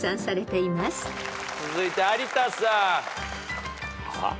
続いて有田さん。